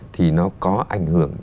thì nó có ảnh hưởng